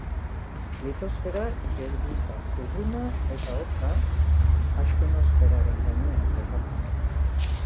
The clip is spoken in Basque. Litosfera, geruza zurruna eta hotza, astenosferaren gainean kokatzen da.